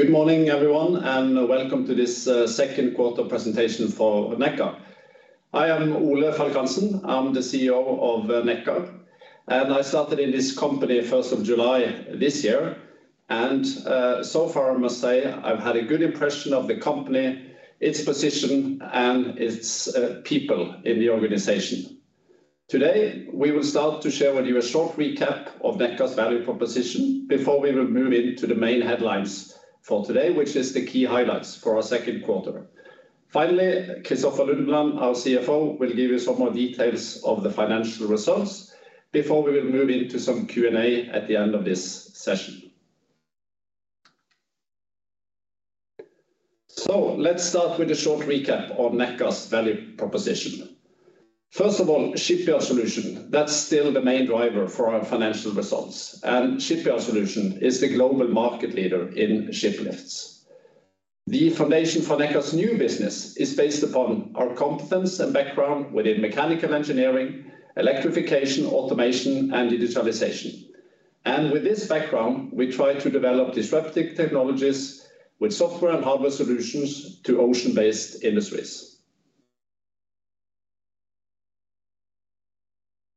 Good morning everyone, and welcome to this second quarter presentation for Nekkar. I am Ole Falk Hansen. I'm the CEO of Nekkar, and I started in this company 1st of July this year and so far I must say I've had a good impression of the company, its position and its people in the organization. Today, we will start to share with you a short recap of Nekkar's value proposition before we will move into the main headlines for today, which is the key highlights for our second quarter. Finally, Kristoffer Lundeland, our CFO, will give you some more details of the financial results before we will move into some Q&A at the end of this session. Let's start with a short recap on Nekkar's value proposition. First of all, Shipyard Solutions, that's still the main driver for our financial results, and Shipyard Solutions is the global market leader in ship lifts. The foundation for Nekkar's new business is based upon our competence and background within mechanical engineering, electrification, automation and digitalization. With this background, we try to develop disruptive technologies with software and hardware solutions to ocean-based industries.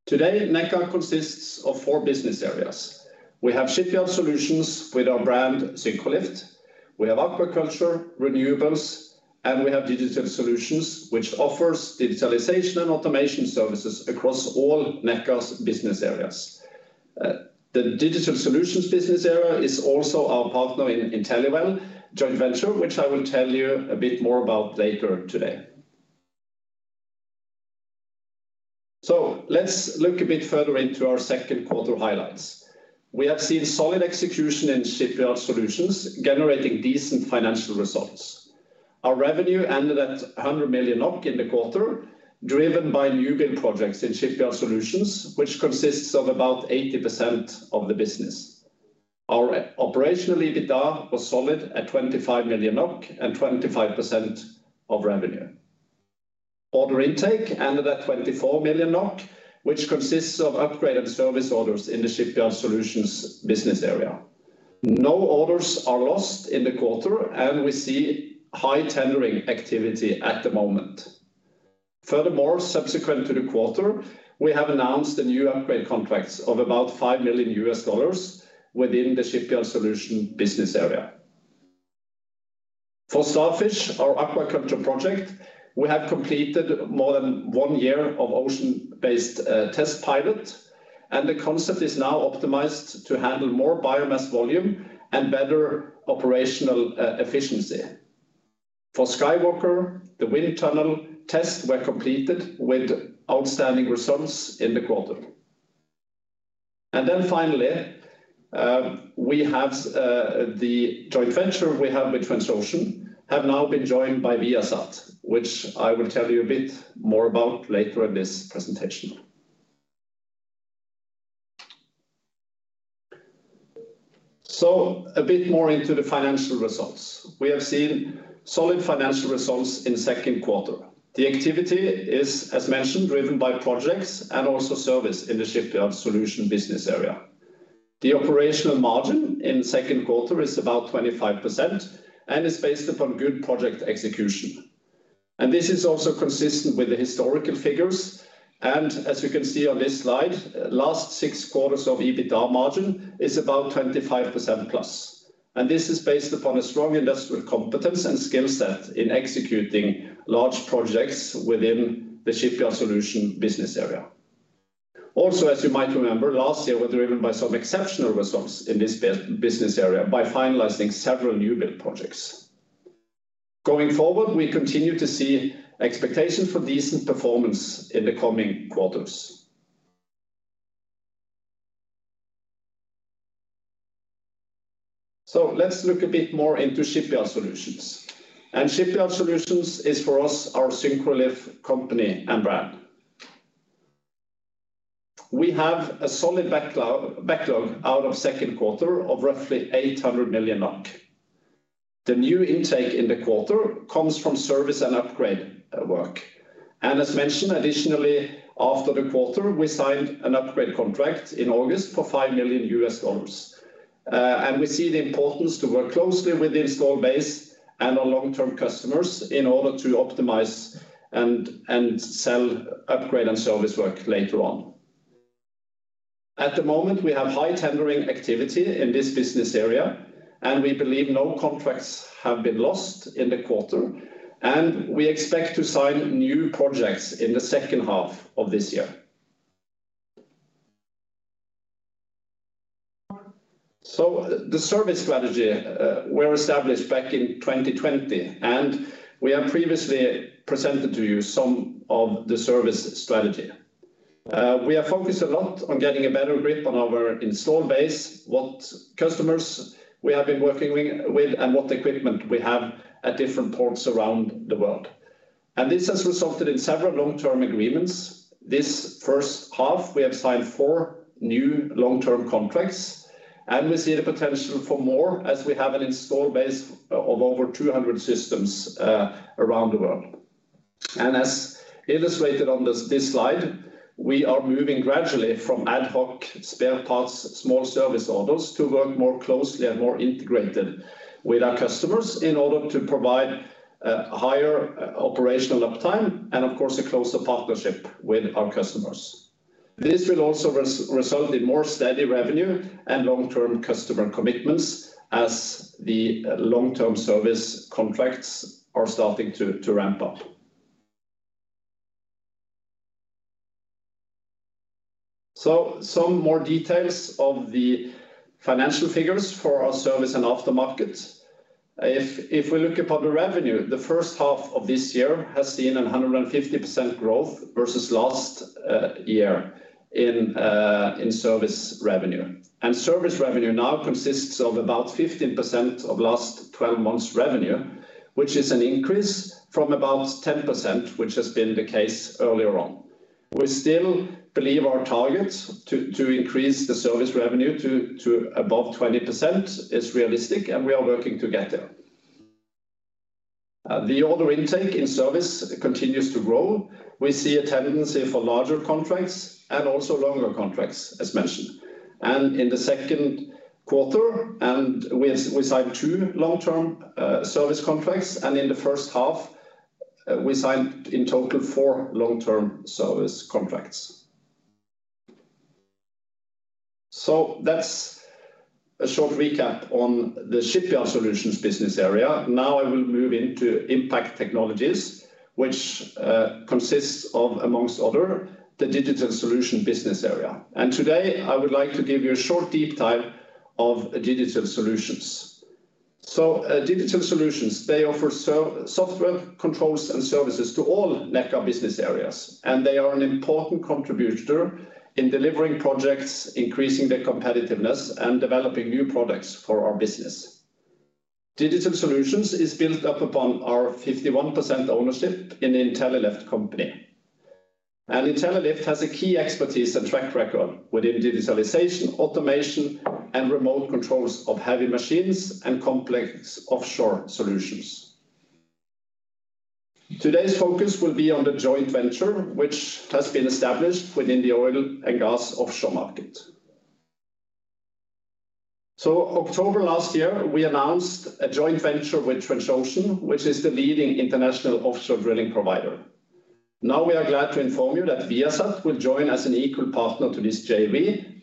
Today, Nekkar consists of four business areas. We have Shipyard Solutions with our brand, Syncrolift. We have Aquaculture, Renewables, and we have Digital Solutions, which offers digitalization and automation services across all Nekkar's business areas. The Digital Solutions business area is also our partner in InteliWell joint venture, which I will tell you a bit more about later today. Let's look a bit further into our second quarter highlights. We have seen solid execution in Shipyard Solutions, generating decent financial results. Our revenue ended at 100 million in the quarter, driven by new build projects in Shipyard Solutions, which consists of about 80% of the business. Our operational EBITDA was solid at 25 million NOK and 25% of revenue. Order intake ended at 24 million NOK, which consists of upgraded service orders in the Shipyard Solutions business area. No orders are lost in the quarter, and we see high tendering activity at the moment. Furthermore, subsequent to the quarter, we have announced the new upgrade contracts of about $5 million within the Shipyard Solutions business area. For Starfish, our aquaculture project, we have completed more than 1 year of ocean-based test pilot, and the concept is now optimized to handle more biomass volume and better operational efficiency. For SkyWalker, the wind tunnel test were completed with outstanding results in the quarter. Finally, we have the joint venture we have with Transocean have now been joined by Viasat, which I will tell you a bit more about later in this presentation. A bit more into the financial results. We have seen solid financial results in second quarter. The activity is, as mentioned, driven by projects and also service in the Shipyard Solutions business area. The operational margin in second quarter is about 25% and is based upon good project execution. This is also consistent with the historical figures and as you can see on this slide, last six quarters of EBITDA margin is about 25%+, and this is based upon a strong industrial competence and skill set in executing large projects within the Shipyard Solutions business area. As you might remember, last year were driven by some exceptional results in this business area by finalizing several new build projects. Going forward, we continue to see expectation for decent performance in the coming quarters. Let's look a bit more into Shipyard Solutions. Shipyard Solutions is for us our Syncrolift company and brand. We have a solid backlog out of second quarter of roughly 800 million NOK. The new intake in the quarter comes from service and upgrade work. As mentioned additionally, after the quarter, we signed an upgrade contract in August for $5 million. We see the importance to work closely with the installed base and our long-term customers in order to optimize and sell upgrade and service work later on. At the moment, we have high tendering activity in this business area, and we believe no contracts have been lost in the quarter, and we expect to sign new projects in the second half of this year. The service strategy were established back in 2020, and we have previously presented to you some of the service strategy. We are focused a lot on getting a better grip on our installed base, what customers we have been working with, and what equipment we have at different ports around the world. This has resulted in several long-term agreements. This first half, we have signed four new long-term contracts, and we see the potential for more as we have an installed base of over 200 systems around the world. As illustrated on this slide, we are moving gradually from ad hoc spare parts, small service orders to work more closely and more integrated with our customers in order to provide higher operational uptime and of course a closer partnership with our customers. This will also result in more steady revenue and long-term customer commitments as the long-term service contracts are starting to ramp up. Some more details of the financial figures for our service and aftermarket. If we look upon the revenue, the first half of this year has seen 150% growth versus last year in service revenue. Service revenue now consists of about 15% of last 12 months revenue, which is an increase from about 10%, which has been the case earlier on. We still believe our target to increase the service revenue to above 20% is realistic, and we are working to get there. The order intake in service continues to grow. We see a tendency for larger contracts and also longer contracts as mentioned. In the second quarter, we signed two long-term service contracts, and in the first half, we signed in total four long-term service contracts. That's a short recap on the Shipyard Solutions business area. Now I will move into Impact Technologies, which consists of, amongst other, the Digital Solutions business area. Today I would like to give you a short deep dive of Digital Solutions. Digital Solutions, they offer software controls and services to all Nekkar business areas, and they are an important contributor in delivering projects, increasing their competitiveness, and developing new products for our business. Digital Solutions is built up upon our 51% ownership in the Intellilift company. Intellilift has a key expertise and track record within digitalization, automation, and remote controls of heavy machines and complex offshore solutions. Today's focus will be on the joint venture, which has been established within the oil and gas offshore market. October last year, we announced a joint venture with Transocean, which is the leading international offshore drilling provider. Now we are glad to inform you that Viasat will join as an equal partner to this JV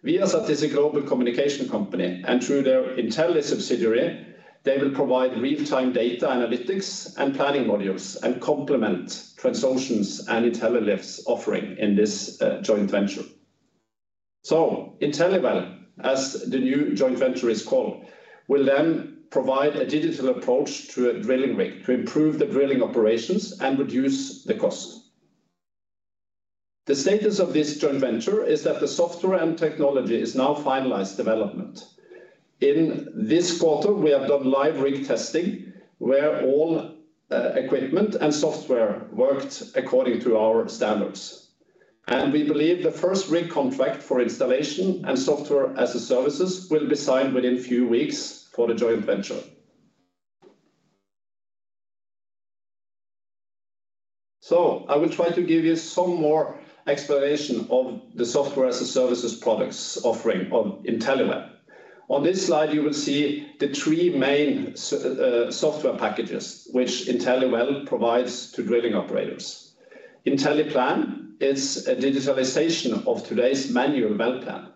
together with us and Transocean. Viasat is a global communication company, and through their Intelie subsidiary, they will provide real-time data analytics and planning modules and complement Transocean's and Intellilift's offering in this joint venture. InteliWell, as the new joint venture is called, will then provide a digital approach to a drilling rig to improve the drilling operations and reduce the cost. The status of this joint venture is that the software and technology is now finalized development. In this quarter, we have done live rig testing where all equipment and software worked according to our standards. We believe the first rig contract for installation and software as a service will be signed within few weeks for the joint venture. I will try to give you some more explanation of the software as a service products offering of InteliWell. On this slide, you will see the three main software packages which InteliWell provides to drilling operators. InteliPlan is a digitalization of today's manual well plan.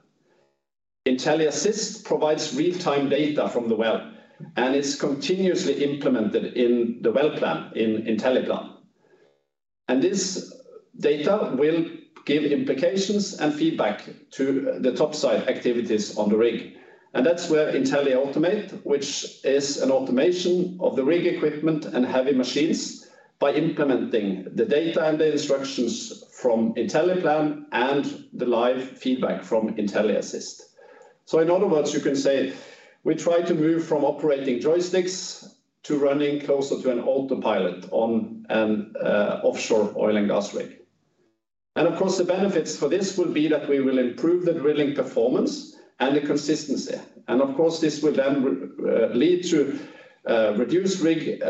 InteliAssist provides real-time data from the well, and it's continuously implemented in the well plan in InteliPlan. This data will give implications and feedback to the top side activities on the rig. That's where InteliAutomate, which is an automation of the rig equipment and heavy machines by implementing the data and the instructions from InteliPlan and the live feedback from InteliAssist. In other words, you can say we try to move from operating joysticks to running closer to an autopilot on an offshore oil and gas rig. Of course, the benefits for this will be that we will improve the drilling performance and the consistency. Of course, this will then lead to reduced rig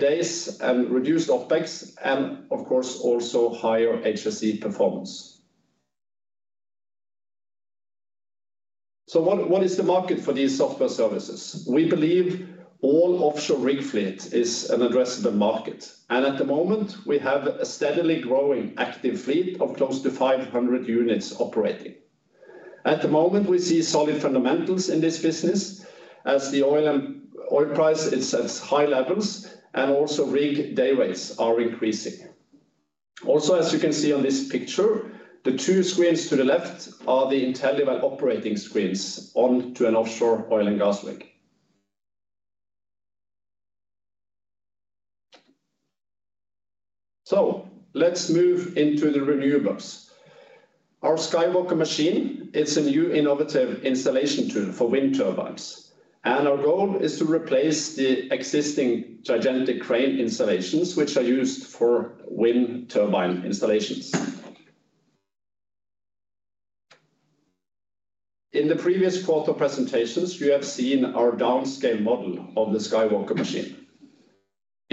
days and reduced OpEx and of course, also higher HSE performance. What is the market for these software services? We believe all offshore rig fleet is an addressable market, and at the moment, we have a steadily growing active fleet of close to 500 units operating. At the moment, we see solid fundamentals in this business as the oil price is at high levels and also rig day rates are increasing. Also, as you can see on this picture, the two screens to the left are the InteliWell operating screens onto an offshore oil and gas rig. Let's move into the renewables. Our SkyWalker machine is a new innovative installation tool for wind turbines, and our goal is to replace the existing gigantic crane installations which are used for wind turbine installations. In the previous quarter presentations, you have seen our downscale model of the SkyWalker machine.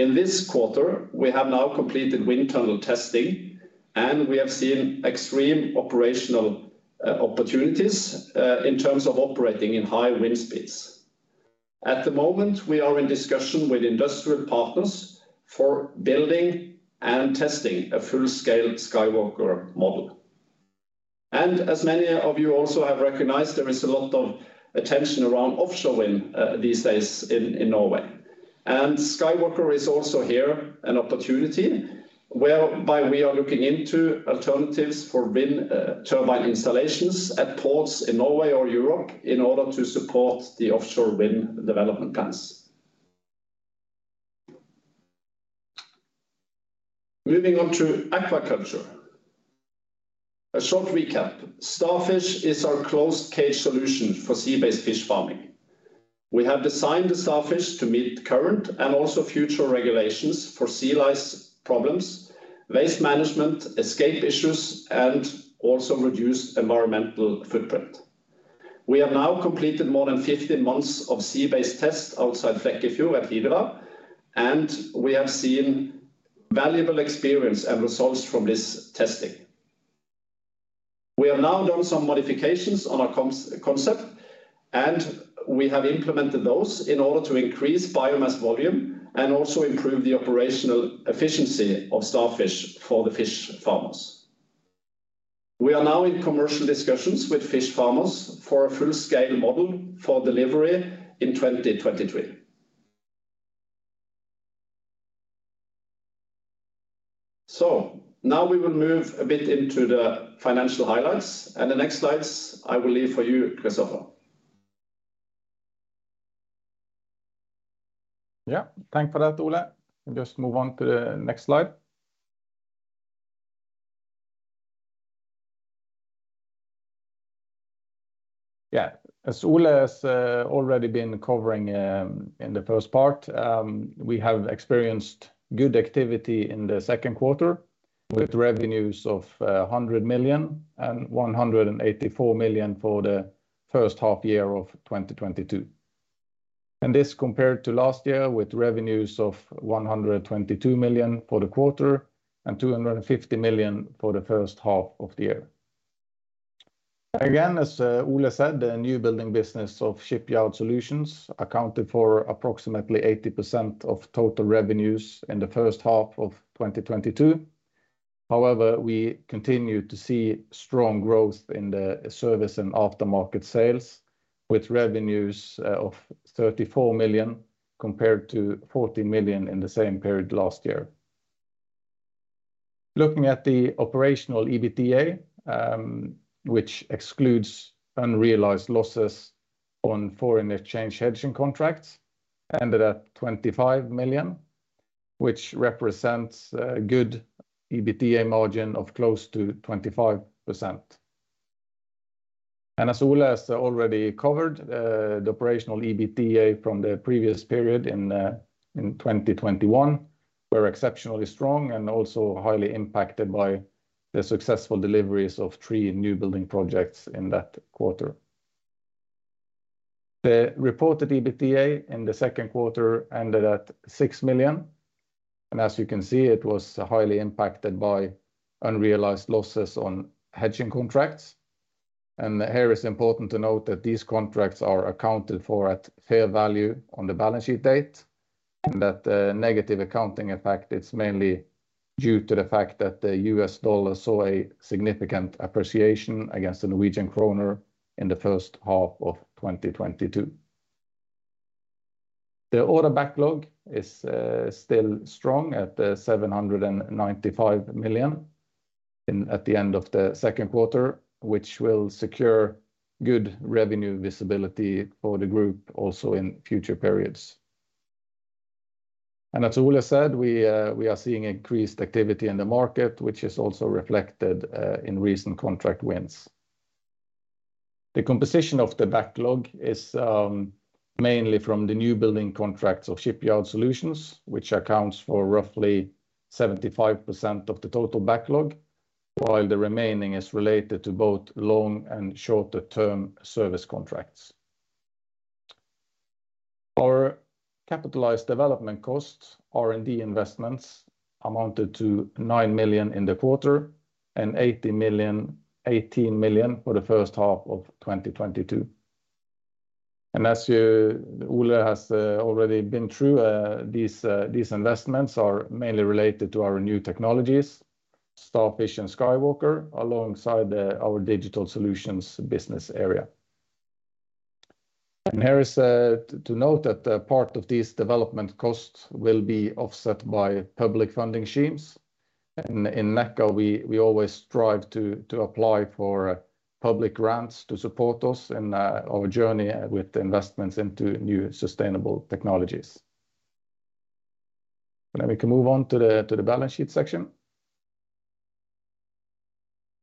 In this quarter, we have now completed wind tunnel testing, and we have seen extreme operational opportunities in terms of operating in high wind speeds. At the moment, we are in discussion with industrial partners for building and testing a full-scale SkyWalker model. As many of you also have recognized, there is a lot of attention around offshore wind these days in Norway. SkyWalker is also here an opportunity whereby we are looking into alternatives for wind turbine installations at ports in Norway or Europe in order to support the offshore wind development plans. Moving on to Aquaculture. A short recap. Starfish is our closed cage solution for sea-based fish farming. We have designed the Starfish to meet current and also future regulations for sea lice problems, waste management, escape issues, and also reduce environmental footprint. We have now completed more than 15 months of sea-based test outside Flekkefjord at Hidra, and we have seen valuable experience and results from this testing. We have now done some modifications on our concept, and we have implemented those in order to increase biomass volume and also improve the operational efficiency of Starfish for the fish farmers. We are now in commercial discussions with fish farmers for a full-scale model for delivery in 2023. Now we will move a bit into the financial highlights, and the next slides I will leave for you, Kristoffer. Yeah. Thanks for that, Ole. Just move on to the next slide. Yeah. As Ole has already been covering in the first part, we have experienced good activity in the second quarter with revenues of 100 million and 184 million for the first half year of 2022. This compared to last year with revenues of 122 million for the quarter and 250 million for the first half of the year. Again, as Ole said, the new building business of Shipyard Solutions accounted for approximately 80% of total revenues in the first half of 2022. However, we continue to see strong growth in the service and aftermarket sales with revenues of 34 million compared to 14 million in the same period last year. Looking at the operational EBITDA, which excludes unrealized losses on foreign exchange hedging contracts, ended at 25 million, which represents a good EBITDA margin of close to 25%. As Ole has already covered, the operational EBITDA from the previous period in 2021 were exceptionally strong and also highly impacted by the successful deliveries of three new building projects in that quarter. The reported EBITDA in the second quarter ended at 6 million. As you can see, it was highly impacted by unrealized losses on hedging contracts. It is important to note that these contracts are accounted for at fair value on the balance sheet date, and that the negative accounting effect, it's mainly due to the fact that the US dollar saw a significant appreciation against the Norwegian kroner in the first half of 2022. The order backlog is still strong at 795 million at the end of the second quarter, which will secure good revenue visibility for the group also in future periods. As Ole said, we are seeing increased activity in the market, which is also reflected in recent contract wins. The composition of the backlog is mainly from the new building contracts of Shipyard Solutions, which accounts for roughly 75% of the total backlog, while the remaining is related to both long and shorter term service contracts. Our capitalized development costs, R&D investments, amounted to 9 million in the quarter and 18 million for the first half of 2022. Ole has already been through these investments are mainly related to our new technologies, Starfish and SkyWalker, alongside our Digital Solutions business area. Here, to note that a part of these development costs will be offset by public funding schemes. In Nekkar, we always strive to apply for public grants to support us in our journey with investments into new sustainable technologies. We can move on to the balance sheet section.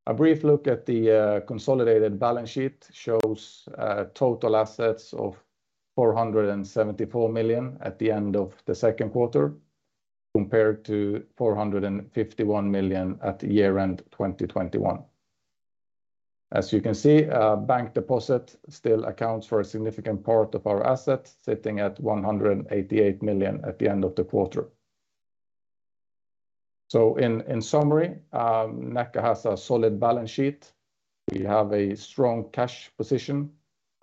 A brief look at the consolidated balance sheet shows total assets of 474 million at the end of the second quarter. Compared to 451 million at year-end 2021. As you can see, bank deposit still accounts for a significant part of our assets, sitting at 188 million at the end of the quarter. In summary, Nekkar has a solid balance sheet. We have a strong cash position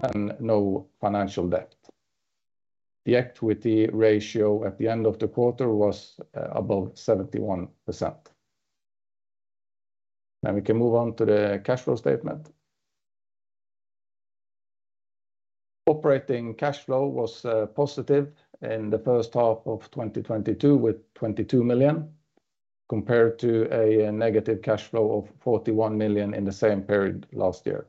and no financial debt. The equity ratio at the end of the quarter was above 71%. Now we can move on to the cash flow statement. Operating cash flow was positive in the first half of 2022 with 22 million, compared to a negative cash flow of 41 million in the same period last year.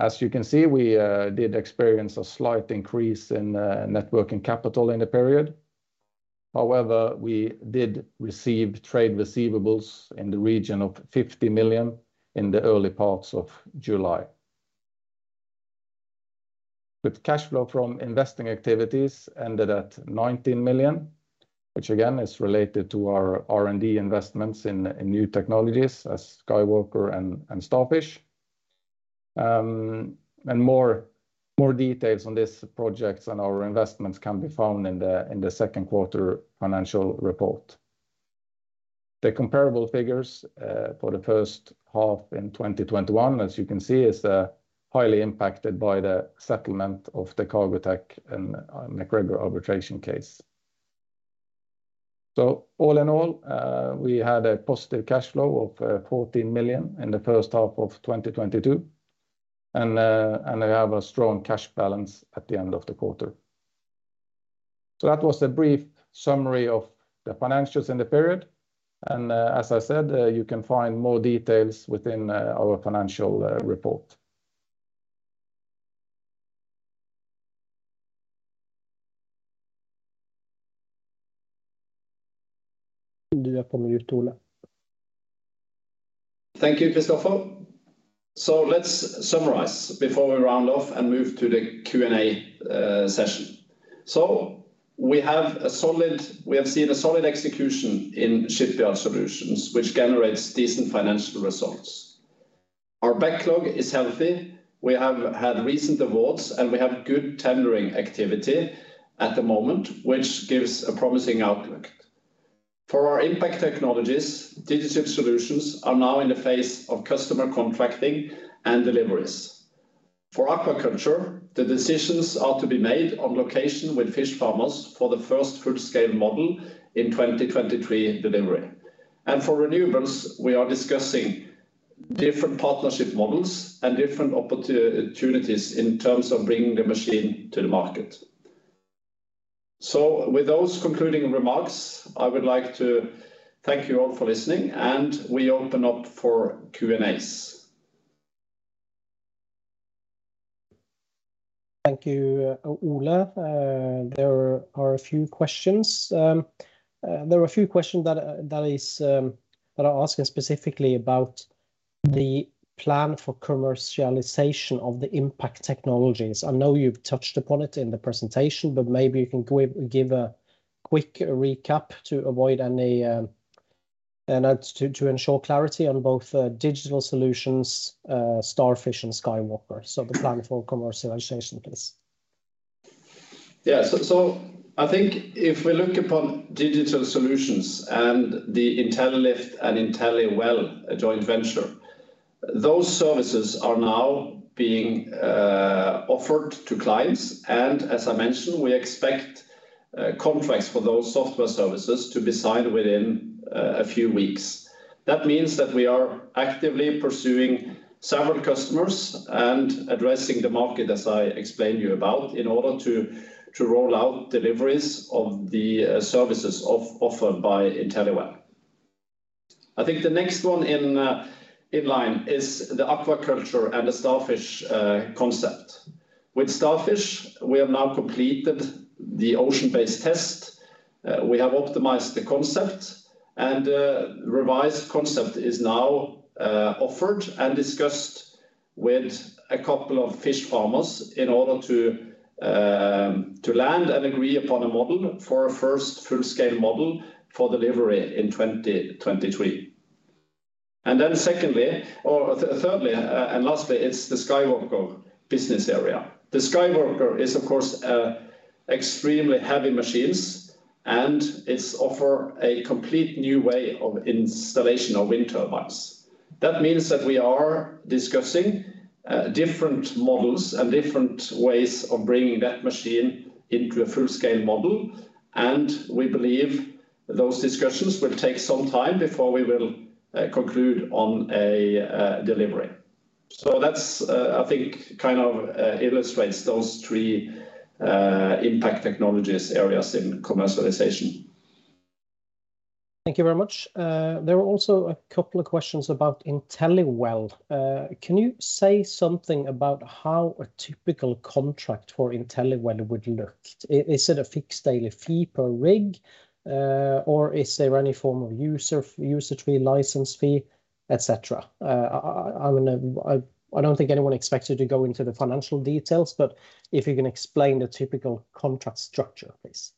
As you can see, we did experience a slight increase in net working capital in the period. However, we did receive trade receivables in the region of 50 million in the early parts of July. Cash flow from investing activities ended at 19 million, which again is related to our R&D investments in new technologies as SkyWalker and Starfish. More details on these projects and our investments can be found in the second quarter financial report. The comparable figures for the first half of 2021, as you can see, is highly impacted by the settlement of the Cargotec and MacGregor arbitration case. All in all, we had a positive cash flow of 14 million in the first half of 2022 and we have a strong cash balance at the end of the quarter. That was a brief summary of the financials in the period and, as I said, you can find more details within our financial report. Do you Thank you, Kristoffer. Let's summarize before we round off and move to the Q&A session. We have seen a solid execution in Shipyard Solutions, which generates decent financial results. Our backlog is healthy. We have had recent awards, and we have good tendering activity at the moment, which gives a promising outlook. For our Impact Technologies, Digital Solutions are now in the phase of customer contracting and deliveries. For Aquaculture, the decisions are to be made on location with fish farmers for the first full-scale model in 2023 delivery. For Renewables, we are discussing different partnership models and different opportunities in terms of bringing the machine to the market. With those concluding remarks, I would like to thank you all for listening, and we open up for Q&As. Thank you, Ole. There are a few questions that are asking specifically about the plan for commercialization of the Impact Technologies. I know you've touched upon it in the presentation, but maybe you can give a quick recap to avoid any to ensure clarity on both Digital Solutions, Starfish and SkyWalker. The plan for commercialization, please. I think if we look upon Digital Solutions and the Intellilift and InteliWell joint venture, those services are now being offered to clients. As I mentioned, we expect contracts for those software services to be signed within a few weeks. That means that we are actively pursuing several customers and addressing the market as I explained to you about in order to roll out deliveries of the services offered by InteliWell. I think the next one in line is the aquaculture and the Starfish concept. With Starfish, we have now completed the ocean-based test. We have optimized the concept and revised concept is now offered and discussed with a couple of fish farmers in order to land and agree upon a model for a first full-scale model for delivery in 2023. Secondly or thirdly, and lastly, it's the SkyWalker business area. The SkyWalker is, of course, extremely heavy machines, and it offers a completely new way of installation of wind turbines. That means that we are discussing different models and different ways of bringing that machine into a full-scale model, and we believe those discussions will take some time before we will conclude on a delivery. That's, I think kind of, illustrates those three Impact Technologies areas in commercialization. Thank you very much. There are also a couple of questions about InteliWell. Can you say something about how a typical contract for InteliWell would look? Is it a fixed daily fee per rig, or is there any form of user fee, license fee, et cetera. I mean, I don't think anyone expects you to go into the financial details, but if you can explain the typical contract structure, please.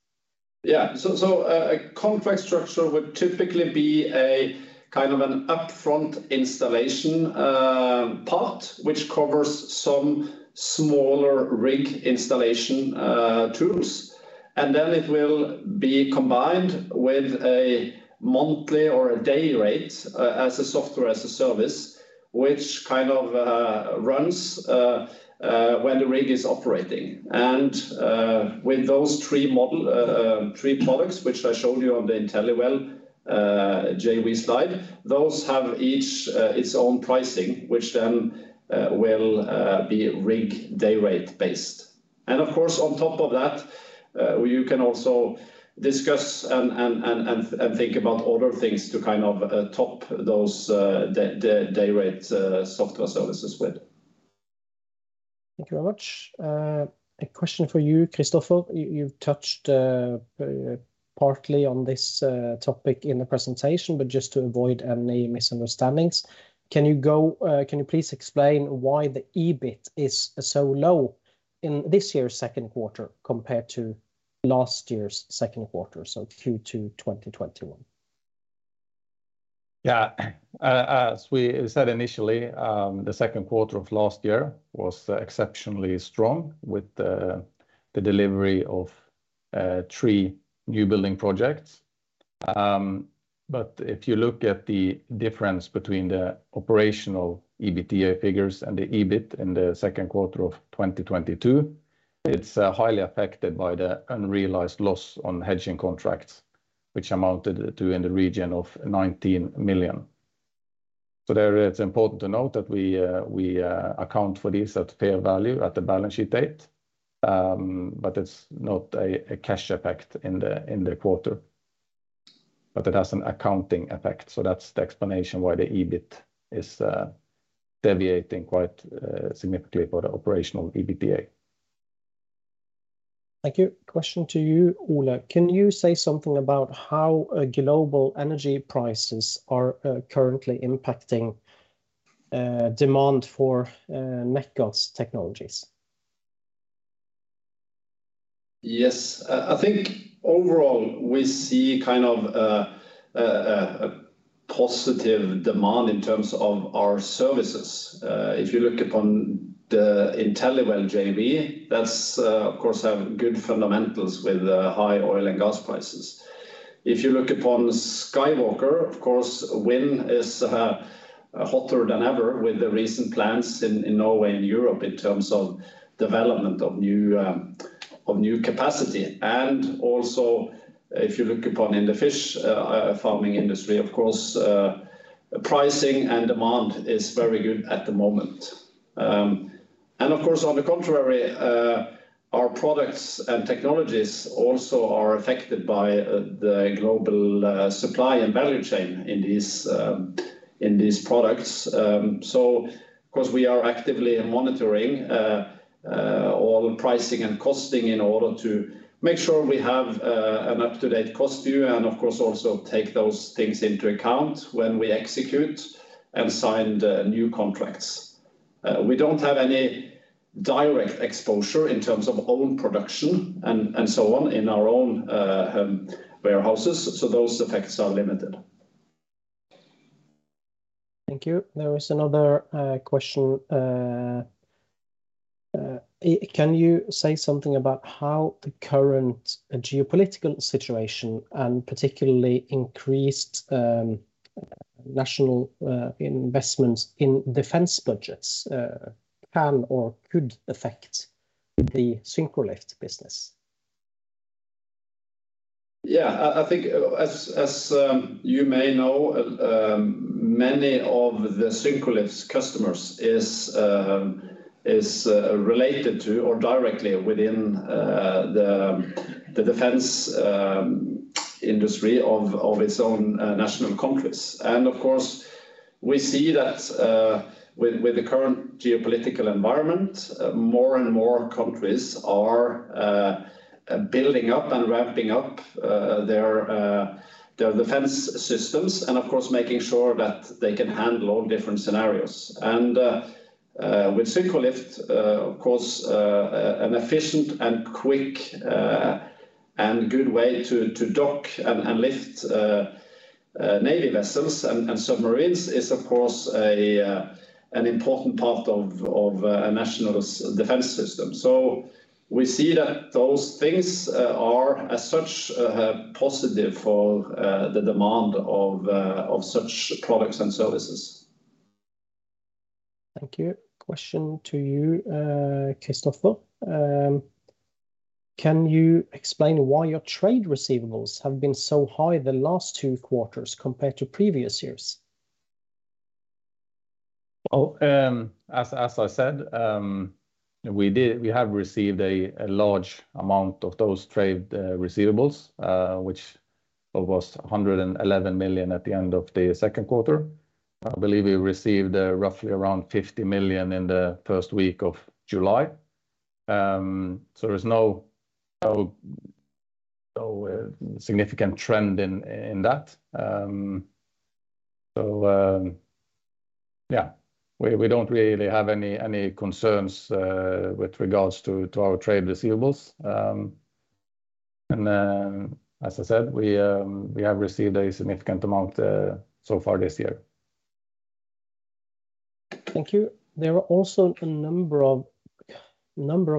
Yeah. A contract structure would typically be a kind of an upfront installation part, which covers some smaller rig installation tools. Then it will be combined with a monthly or a day rate as a software as a service, which kind of runs when the rig is operating. With those three products, which I showed you on the InteliWell JV slide, those have each its own pricing, which then will be rig day-rate based. Of course, on top of that, you can also discuss and think about other things to kind of top those day-rate software services with. Thank you very much. A question for you, Kristoffer. You've touched partly on this topic in the presentation, but just to avoid any misunderstandings, can you please explain why the EBIT is so low in this year's second quarter compared to last year's second quarter, so Q2 2021? Yeah. As we said initially, the second quarter of last year was exceptionally strong with the delivery of three new building projects. If you look at the difference between the operational EBITDA figures and the EBIT in the second quarter of 2022, it's highly affected by the unrealized loss on hedging contracts, which amounted to in the region of 19 million. There it's important to note that we account for this at fair value at the balance sheet date, but it's not a cash effect in the quarter. It has an accounting effect, so that's the explanation why the EBIT is deviating quite significantly from the operational EBITDA. Thank you. Question to you, Ole. Can you say something about how global energy prices are currently impacting demand for Nekkar's technologies? Yes. I think overall we see kind of a positive demand in terms of our services. If you look upon the InteliWell JV, that's of course have good fundamentals with high oil and gas prices. If you look upon SkyWalker, of course, wind is hotter than ever with the recent plans in Norway and Europe in terms of development of new capacity. If you look upon in the fish farming industry, of course, pricing and demand is very good at the moment. Of course, on the contrary, our products and technologies also are affected by the global supply and value chain in these products. Of course, we are actively monitoring all pricing and costing in order to make sure we have an up-to-date cost view and of course also take those things into account when we execute and sign the new contracts. We don't have any direct exposure in terms of own production and so on in our own warehouses, so those effects are limited. Thank you. There is another question. Can you say something about how the current geopolitical situation and particularly increased national investments in defense budgets can or could affect the Syncrolift business? Yeah. I think as you may know, many of the Syncrolift's customers is related to or directly within the defense industry of its own national countries. Of course, we see that with the current geopolitical environment, more and more countries are building up and ramping up their defense systems and of course making sure that they can handle all different scenarios. With Syncrolift, of course, an efficient and quick and good way to dock and lift navy vessels and submarines is of course an important part of a national defense system. We see that those things are as such positive for the demand of such products and services. Thank you. Question to you, Kristoffer. Can you explain why your trade receivables have been so high the last two quarters compared to previous years? As I said, we have received a large amount of those trade receivables, which was 111 million at the end of the second quarter. I believe we received roughly around 50 million in the first week of July. There is no significant trend in that. We don't really have any concerns with regards to our trade receivables. As I said, we have received a significant amount so far this year. Thank you. There are also a number of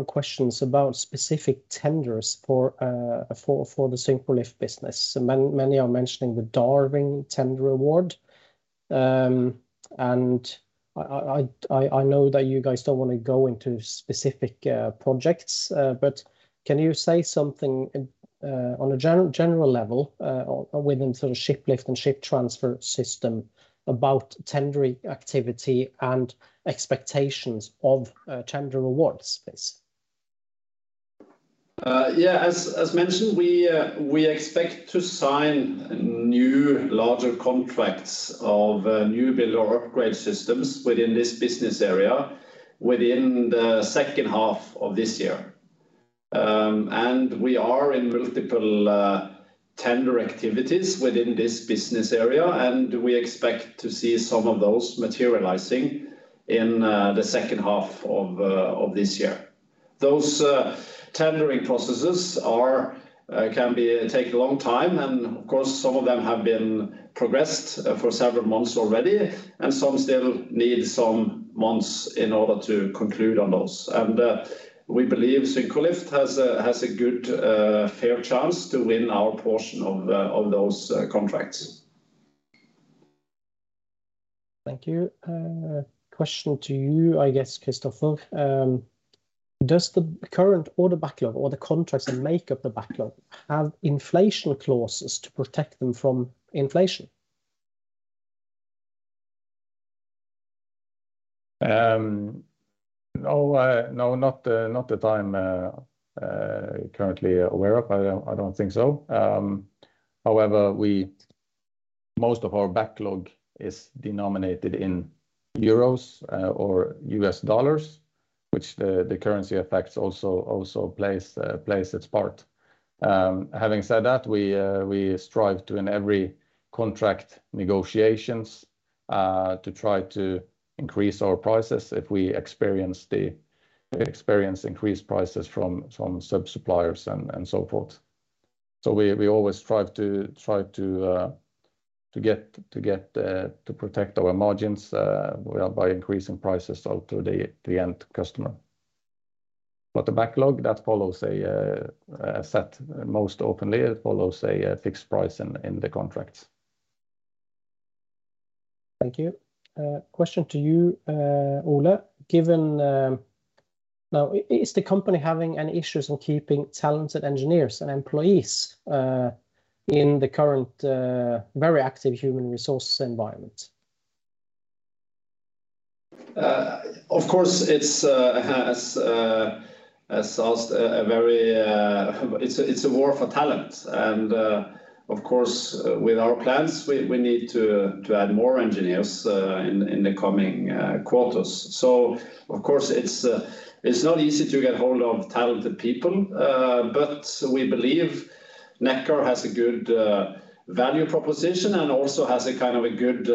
questions about specific tenders for the Syncrolift business. Many are mentioning the Darwin tender award. I know that you guys don't wanna go into specific projects. Can you say something on a general level within sort of ship lift and ship transfer system about tendering activity and expectations of tender awards, please? As mentioned, we expect to sign new larger contracts of new build or upgrade systems within this business area within the second half of this year. We are in multiple tender activities within this business area, and we expect to see some of those materializing in the second half of this year. Those tendering processes can take a long time, and of course, some of them have been progressed for several months already, and some still need some months in order to conclude on those. We believe Syncrolift has a good fair chance to win our portion of those contracts. Thank you. Question to you, I guess, Kristoffer. Does the current order backlog or the contracts that make up the backlog have inflation clauses to protect them from inflation? No, not that I'm currently aware of. I don't think so. However, most of our backlog is denominated in euros or U.S. dollars, which the currency effects also plays its part. Having said that, we strive, in every contract negotiations, to try to increase our prices if we experience increased prices from sub-suppliers and so forth. We always strive to protect our margins, well, by increasing prices out to the end customer. The backlog that follows a set price most openly follows a fixed price in the contracts. Thank you. Question to you, Ole. Now, is the company having any issues on keeping talented engineers and employees in the current very active human resources environment? Of course, it's a war for talent. Of course, with our plans, we need to add more engineers in the coming quarters. Of course, it's not easy to get hold of talented people. We believe Nekkar has a good value proposition and also has a kind of a good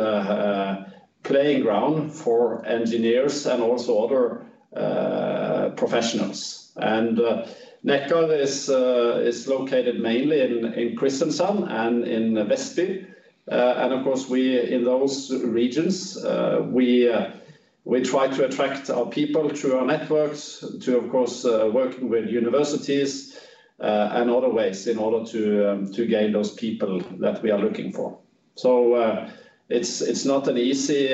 playing ground for engineers and also other professionals. Nekkar is located mainly in Kristiansand and in Vestby. In those regions, we try to attract our people through our networks, of course, working with universities and other ways in order to gain those people that we are looking for. It's not an easy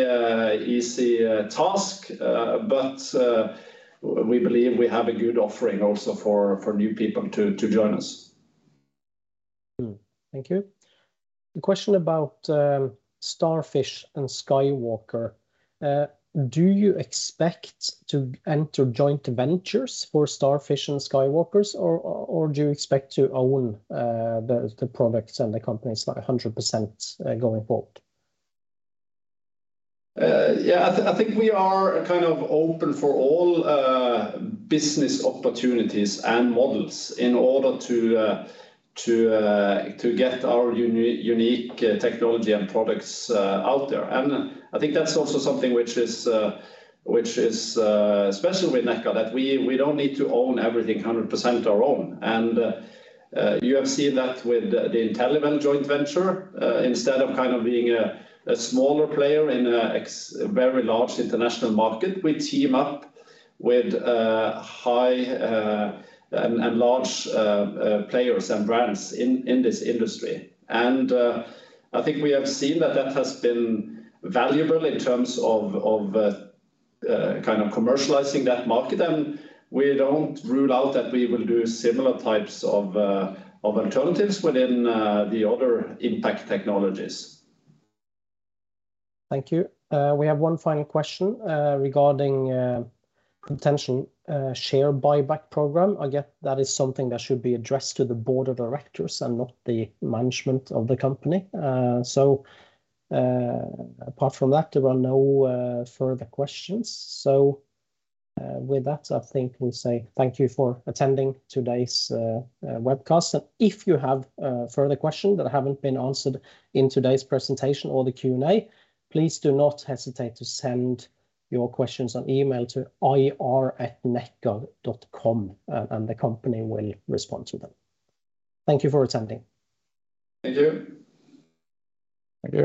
task. We believe we have a good offering also for new people to join us. Thank you. The question about Starfish and SkyWalker. Do you expect to enter joint ventures for Starfish and SkyWalker or do you expect to own the products and the companies like 100% going forward? Yeah, I think we are kind of open for all business opportunities and models in order to get our unique technology and products out there. I think that's also something which is special with Nekkar that we don't need to own everything 100% our own. You have seen that with the InteliWell joint venture. Instead of kind of being a smaller player in a very large international market, we team up with high and large players and brands in this industry. I think we have seen that that has been valuable in terms of kind of commercializing that market. We don't rule out that we will do similar types of alternatives within the other Impact Technologies. Thank you. We have one final question regarding potential share buyback program. I guess that is something that should be addressed to the board of directors and not the management of the company. Apart from that, there are no further questions. With that, I think we'll say thank you for attending today's webcast. If you have further questions that haven't been answered in today's presentation or the Q&A, please do not hesitate to send your questions on email to ir@nekkar.com, and the company will respond to them. Thank you for attending. Thank you. Thank you.